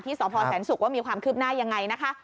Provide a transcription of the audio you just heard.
ที่สศนสุกว่ามีความคืบหน้ายังไงนะคะ